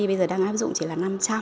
bây giờ đang áp dụng chỉ là năm trăm linh